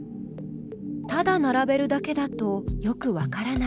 ただ並べるだけだとよくわからない。